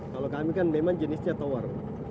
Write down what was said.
kalau kami kan memang jenisnya tower